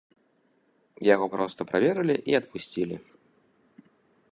Яго проста праверылі і адпусцілі.